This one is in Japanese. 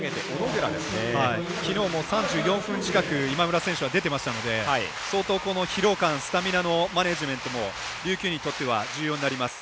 きのうも３４分近く今村選手は出てましたので相当この疲労感スタミナのマネジメントも琉球にとっては重要になります。